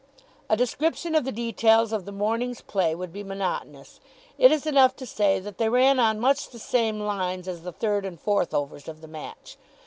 A description of the details of the morning's play would be monotonous. It is enough to say that they ran on much the same lines as the third and fourth overs of the match.